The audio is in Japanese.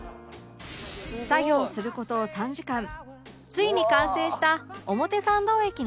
作業する事３時間ついに完成した表参道駅のポスター